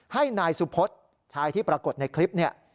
ให้นายสุพธิ์ชายที่ปรากฏในคลิปนี้